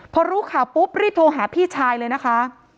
พอรู้ข่าวปุ๊บรีบโทรหาพี่ชายเลยนะคะ